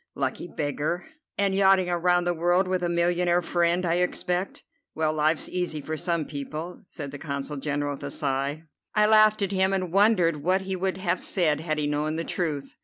Lucky beggar! And yachting around the world with a millionaire friend, I expect. Well, life's easy for some people," said the Consul General with a sigh. I laughed at him, and wondered what he would have said had he known the truth.